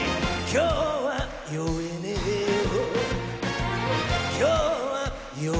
今日は酔えねぇよ